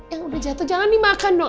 yang udah jatuh jangan dimakan dong